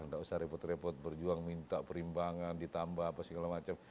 nggak usah repot repot berjuang minta perimbangan ditambah apa segala macam